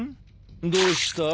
どうした？